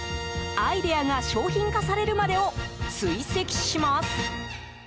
アイデアが商品化されるまでを追跡します。